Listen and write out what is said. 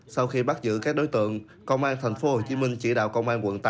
sau khi bắt giữ các đối tượng công an thành phố hồ chí minh trị đạo công an quận tám